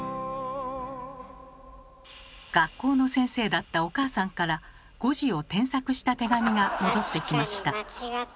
学校の先生だったお母さんから誤字を添削した手紙が戻ってきました。